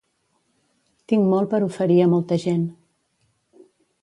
Tinc molt per oferir a molta gent.